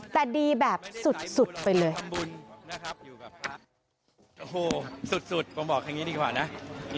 แต่ดีแบบสุดไปเลย